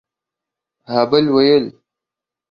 ها بل ويل